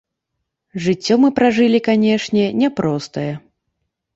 Жыццё мы пражылі, канешне, няпростае.